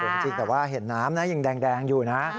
จริงแต่ว่าเห็นน้ำนะยังแดงอยู่นะ